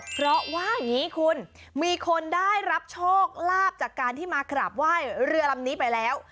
เพราะว่าอย่างนี้คุณมีคนได้รับโชคลาภจากการที่มากราบไหว้เรือลำนี้ไปแล้ว